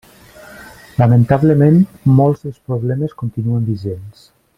Lamentablement, molts dels problemes continuen vigents.